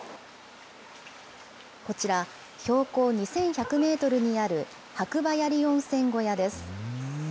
こちら、標高２１００メートルにある白馬鑓温泉小屋です。